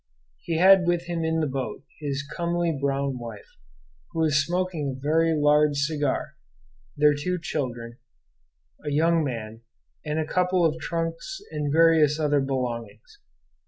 He had with him in the boat his comely brown wife who was smoking a very large cigar their two children, a young man, and a couple of trunks and various other belongings.